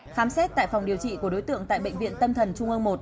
khám xét tại phòng điều trị của đối tượng tại bệnh viện tâm thần trung ương một